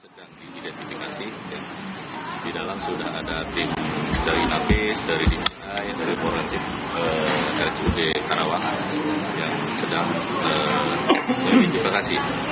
tidak langsung ada tim dari napis dari dinsa dari polrasim dari sud karawang yang sedang diidentifikasi